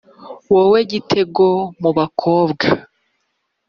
wowe, gitego mu bakobwa?